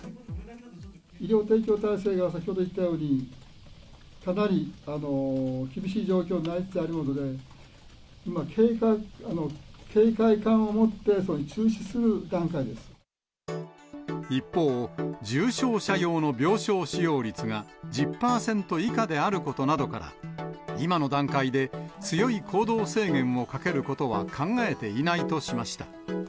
医療提供体制が先ほど言ったように、かなり厳しい状況になりつつあるので、一方、重症者用の病床使用率が１０％以下であることなどから、今の段階で強い行動制限をかけることは考えていないとしました。